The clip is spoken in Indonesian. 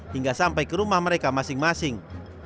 hingga sampai ke rumah mereka masing masing